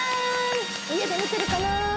家で見てるかな？